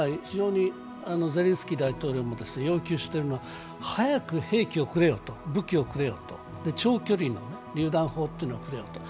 ゼレンスキー大統領も要求しているのは、早く兵器をくれよ、武器をくれよと、長距離のりゅう弾砲というのをくれよと。